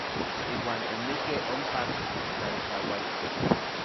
Iuan omikkej ompa tlalkaualko.